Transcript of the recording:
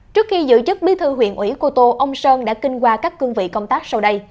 trước khi giữ chức bí thư huyện ủy cô tô ông sơn đã kinh qua các cương vị công tác sau đây